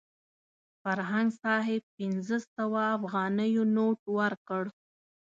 فرهنګ صاحب پنځه سوه افغانیو نوټ ورکړ.